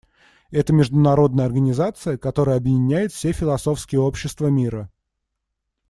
Это международная организация, которая объединяет все философские общества мира.